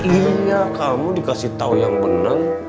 iya kamu dikasih tau yang beneng